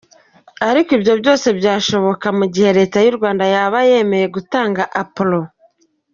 Ariko ibyo byose byashoboka mu gihe Leta y’u Rwanda yaba yemeye gutanga Apollo.